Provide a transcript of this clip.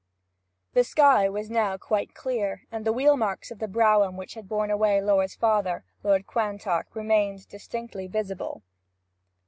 The sky was now quite clear, and the wheelmarks of the brougham which had borne away Laura's father, Lord Quantock, remained distinctly visible.